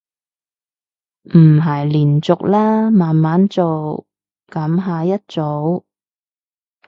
唔係連續啦，慢慢做，廿下一組